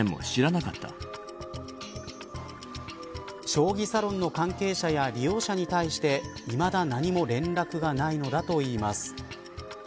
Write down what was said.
将棋サロンの関係者や利用者に対していまだ何も連絡がないのだといいます。